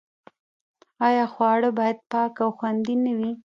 آیا خواړه باید پاک او خوندي نه وي؟